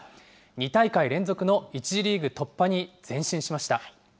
２大会連続の１次リーグ突破に前進しました。